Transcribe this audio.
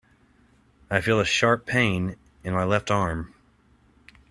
I feel a sharp pain in my left arm.